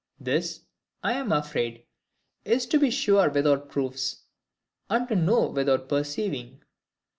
This, I am afraid, is to be sure without proofs, and to know without perceiving.